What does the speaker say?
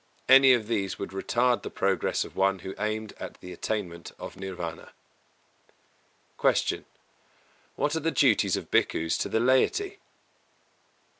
Any of these would retard the progress of one who aimed at the attainment of Nirvāna. 261. Q. _What are the duties of Bhikkhus to the laity?